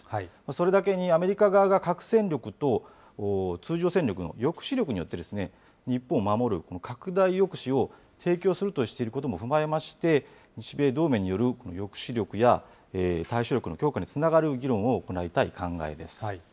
それだけにアメリカ側が核戦力と通常戦力の抑止力によって、日本を守るこの拡大抑止を提供するとしていることも踏まえまして、日米同盟によるこの抑止力や対処力の強化につながる議論を行いたい考えです。